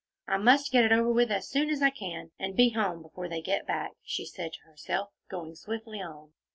"I must get it over with as soon as I can, and be home before they get back," she said to herself, going swiftly on.